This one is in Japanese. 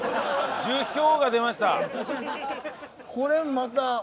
これまた。